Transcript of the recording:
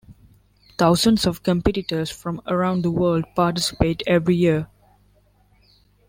Thousands of competitors from around the world participate every year.